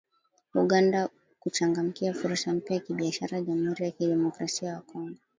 Uganda kuchangamkia fursa mpya za kibiashara Jamhuri ya kidemokrasia ya Kongo.